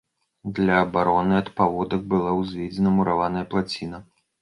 Для абароны ад паводак была ўзведзена мураваная плаціна.